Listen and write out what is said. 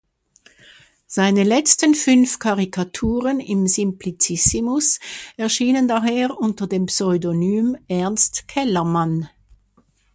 Seine letzten fünf Karikaturen im "Simplicissimus" erschienen daher unter dem Pseudonym Ernst Kellermann.